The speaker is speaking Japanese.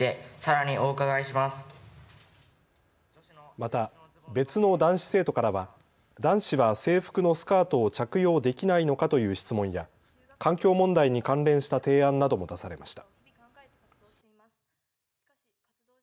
また別の男子生徒からは男子は制服のスカートを着用できないのかという質問や環境問題に関連した提案なども出されました。